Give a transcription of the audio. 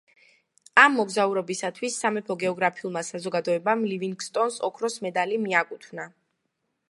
ამ მოგზაურობისათვის სამეფო გეოგრაფიულმა საზოგადოებამ ლივინგსტონს ოქროს მედალი მიაკუთვნა.